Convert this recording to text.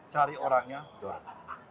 cari orangnya dorong